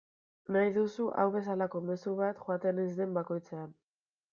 Nahi duzu hau bezalako mezu bat joaten ez den bakoitzean.